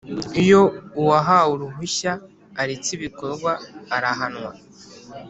Iyo uwahawe uruhushya aretse ibikorwa arahanwa